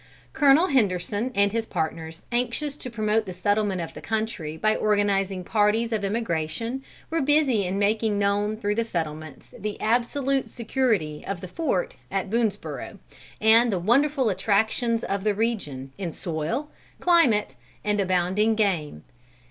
Colonel Henderson and his partners, anxious to promote the settlement of the country, by organising parties of emigration, were busy in making known through the settlements the absolute security of the fort at Boonesborough, and the wonderful attractions of the region, in soil, climate, and abounding game.